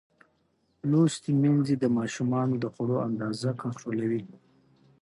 لوستې میندې د ماشومانو د خوړو اندازه کنټرولوي.